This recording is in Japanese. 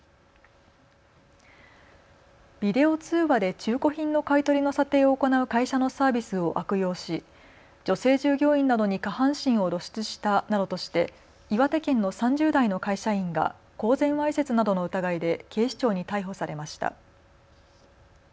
ビデオ通話で中古品の買い取りの査定を行う会社のサービスを悪用し女性従業員などに下半身を露出したなどとして岩手県の３０代の会社員が公然わいせつなどの疑いで警視庁に逮捕されました。